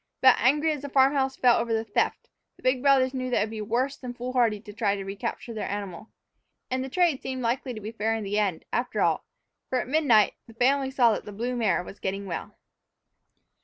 But, angry as the farm house felt over the theft, the big brothers knew that it would be worse than foolhardy to try to recapture their animal. And the trade seemed likely to be fair in the end, after all, for at midnight the family saw that the blue mare was getting well!